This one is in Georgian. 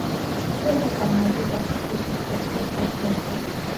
დროთა განმავლობაში ხის ეკლესია დაძველდა.